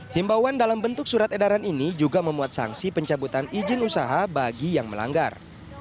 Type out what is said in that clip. himbauan dalam bentuk surat edaran ini juga memuat sanksi pencabutan izin usaha bagi yang melanggar